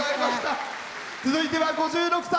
続いては５６歳。